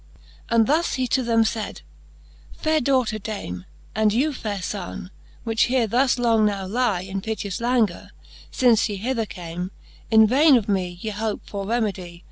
And thus he to them fayd ; Faire daughter Dame, And you faire fonne, which here thus long now lie in piteous languor, fince ye hither came, In vaine of me ye hope for remedie